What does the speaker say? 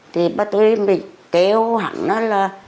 thì bà tôi kêu hắn là